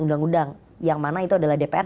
undang undang yang mana itu adalah dpr